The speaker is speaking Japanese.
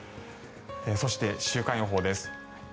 そして、週間予報です。